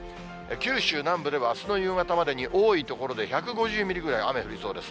九州南部ではあすの夕方までに多い所で１５０ミリくらい雨が降りそうです。